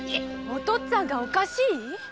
お父っつぁんがおかしい？